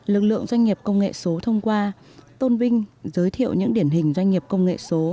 lực lượng doanh nghiệp công nghệ số thông qua tôn vinh giới thiệu những điển hình doanh nghiệp công nghệ số